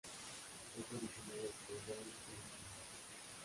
Es originaria de Taiwán y Filipinas.